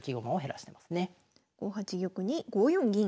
５八玉に５四銀。